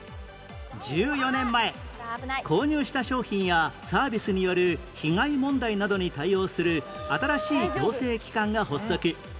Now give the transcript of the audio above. １４年前購入した商品やサービスによる被害問題などに対応する新しい行政機関が発足